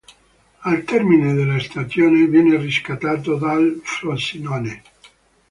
Al termine della stagione viene riscattato dal Frosinone.